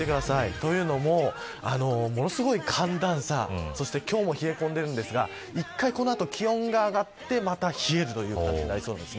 というのも、ものすごい寒暖差そして、今日も冷え込んでるんですが一回、この後、気温が上がってまた冷えるという感じなりそうです。